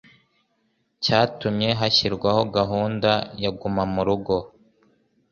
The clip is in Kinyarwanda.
cyatumye hashyirwaho gahunda ya Guma mu Rugo